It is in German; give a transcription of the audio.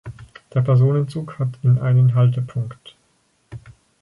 Der Personenzug hat in einen Haltepunkt.